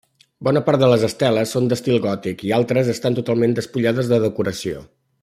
Bona part de les esteles són d'estil gòtic i altres estan totalment despullades de decoració.